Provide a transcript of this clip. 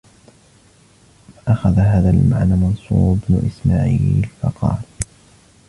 فَأَخَذَ هَذَا الْمَعْنَى مَنْصُورُ بْنُ إسْمَاعِيلَ فَقَالَ